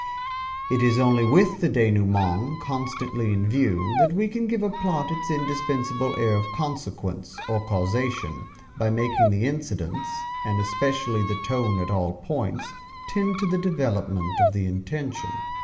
It is only with the denouement constantly in view that we can give a plot its indispensable air of consequence, or causation, by making the incidents, and especially the tone at all points, tend to the development of the intention.